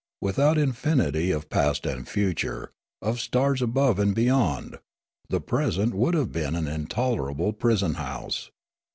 Without infinity of past and future, of stars above and beyond, the present would have been an intolerable prison house.